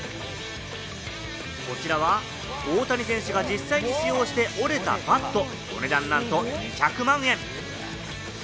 こちらは大谷選手が実際使用して折れたバット、お値段なんと２００万円！